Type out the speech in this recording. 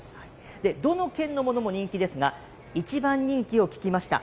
どの県のものも人気ですが、一番人気を聞きました。